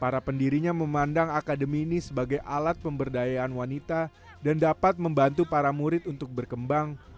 para pendirinya memandang akademi ini sebagai alat pemberdayaan wanita dan dapat membantu para murid untuk berkembang